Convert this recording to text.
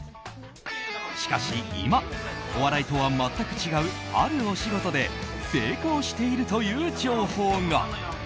しかし今、お笑いとは全く違うあるお仕事で成功しているという情報が。